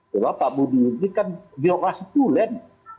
bahwa pak budi ini kan birokrasi tulen